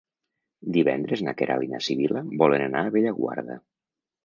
Divendres na Queralt i na Sibil·la volen anar a Bellaguarda.